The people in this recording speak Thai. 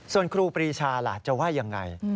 ส่วนครูปรีชาล่ะจะว่ายังไง